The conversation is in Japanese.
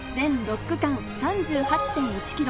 全６区間３８．１ｋｍ。